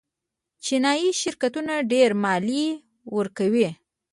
چینايي شرکتونه ډېرې مالیې ورکوي.